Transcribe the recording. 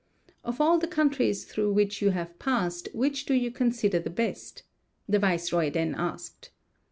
"Of all the countries through which you have passed, which do you consider the best?" the viceroy then asked.